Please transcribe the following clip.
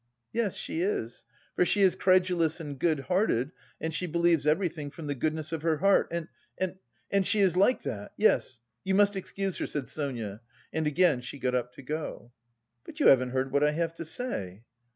"Yes, she is. For she is credulous and good hearted, and she believes everything from the goodness of her heart and... and... and she is like that... yes... You must excuse her," said Sonia, and again she got up to go. "But you haven't heard what I have to say."